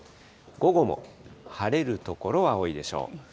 午後も晴れる所は多いでしょう。